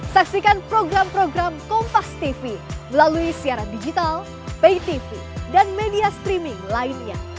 saksikan program program kompastv melalui siaran digital paytv dan media streaming lainnya